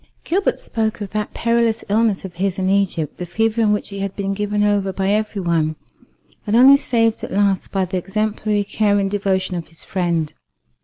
Gilbert spoke of that perilous illness of his in Egypt, the fever in which he had been given over by every one, and only saved at last by the exemplary care and devotion of his friend.